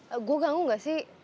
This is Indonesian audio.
eh gue ganggu gak sih